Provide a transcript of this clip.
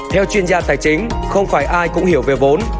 theo chuyên gia tài chính không phải ai cũng hiểu về vốn